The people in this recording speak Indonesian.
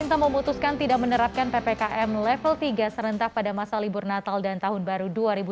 pemerintah memutuskan tidak menerapkan ppkm level tiga serentak pada masa libur natal dan tahun baru dua ribu dua puluh